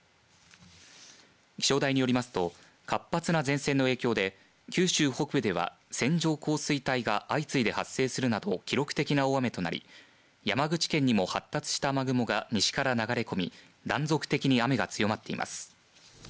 気象台によりますと活発な前線の影響で九州北部では線状降水帯が相次いで発生するなど記録的な大雨となり山口県にも発達した雨雲が西から流れ込み断続的に雨が強まっています。